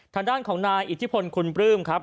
ทางด้านของนายอิทธิพลคุณปลื้มครับ